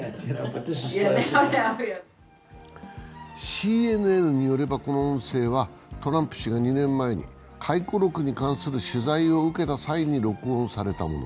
ＣＮＮによれば、この音声はトランプ氏が２年前に回顧録に関する取材を受けた際に録音されたもの。